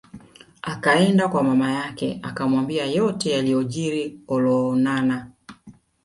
Akaenda kwa mama yake akamwambia yote yaliyojili Olonana